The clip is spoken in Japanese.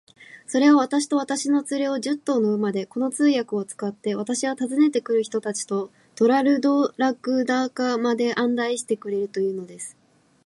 それは、私と私の連れを、十頭の馬で、この通訳を使って、私は訪ねて来る人たちとトラルドラグダカまで案内してくれるというのです。